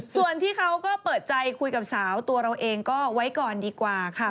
ส่วนที่เขาก็เปิดใจคุยกับสาวตัวเราเองก็ไว้ก่อนดีกว่าค่ะ